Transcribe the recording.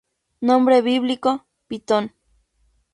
Nombre bíblico: Pitón.